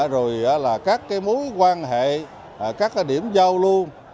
rồi các mối quan hệ các điểm giao lưu